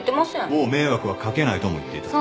もう迷惑はかけないとも言っていた。